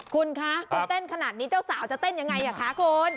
คุณคะเกิดเต้นขนาดนี้เจ้าสาวจะเต้นอย่างไรค่ะคุณ